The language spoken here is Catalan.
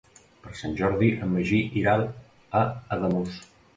Per Sant Jordi en Magí irà a Ademús.